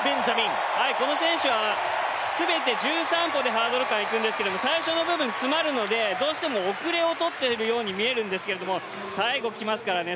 この選手は全て１３歩でハードル間いくんですけど最初の部分詰まるのでどうしても後れを取っているように見えるんですけど最後、きますからね